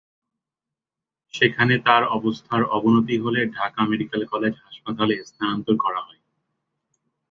সেখানে তাঁর অবস্থার অবনতি হলে ঢাকা মেডিকেল কলেজ হাসপাতালে স্থানান্তর করা হয়।